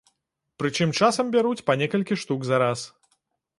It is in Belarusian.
Прычым часам бяруць па некалькі штук за раз.